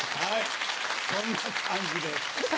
はい。